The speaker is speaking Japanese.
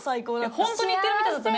本当に行ってるみたいだったね。